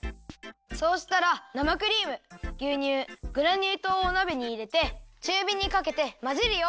そうしたら生クリームぎゅうにゅうグラニューとうをおなべにいれてちゅうびにかけてまぜるよ。